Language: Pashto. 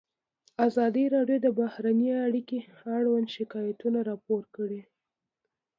ازادي راډیو د بهرنۍ اړیکې اړوند شکایتونه راپور کړي.